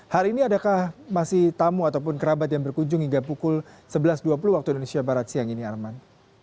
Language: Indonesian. hari ini adakah masih tamu ataupun kerabat yang berkunjung hingga pukul sebelas dua puluh waktu indonesia barat siang ini arman